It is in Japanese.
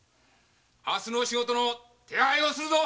明日の仕事の手配をするぞ！